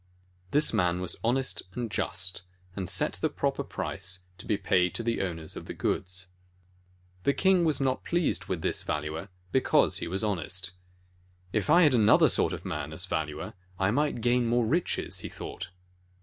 This man was honest and just, and set the proper price to be paid to the owners of the goods. The king was not pleased with this Valuer, because he was honest. "If I had another sort of a man as Valuer, I might gain more riches," he thought.